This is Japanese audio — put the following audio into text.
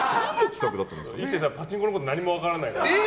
壱成さん、パチンコのこと何も分からないから。